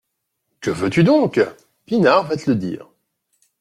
Que veux-tu donc ? Pinard va te le dire.